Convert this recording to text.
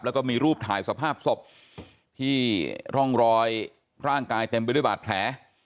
แล้วก็มีรูปถ่ายสภาพศพที่ร่องรอยร่างกายเต็มไปด้วยบาดแผล